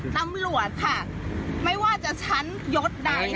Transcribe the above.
ตำรวจค่ะไม่ว่าจะชั้นยศใด